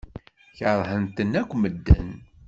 Keṛhen-ten akk medden.